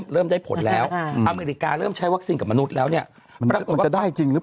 เริ่มได้ผลแล้วอเมริกาเริ่มใช้วัคซีนกับมนุษย์แล้วเนี่ยปรากฏว่าจะได้จริงหรือเปล่า